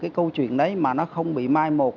cái câu chuyện đấy mà nó không bị mai một